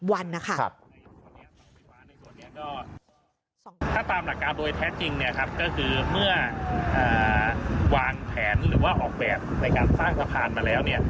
ถ้าตามหลักการโดยแท้จริงก็คือเมื่อวางแผนหรือว่าออกแบบในการสร้างสะพานมาแล้ว